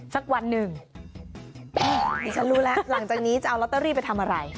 สักวันหนึ่งดิฉันรู้แล้วหลังจากนี้จะเอาลอตเตอรี่ไปทำอะไร